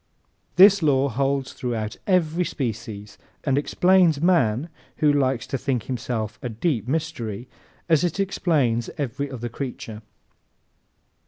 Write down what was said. This law holds throughout every species and explains man who likes to think himself a deep mystery as it explains every other creature.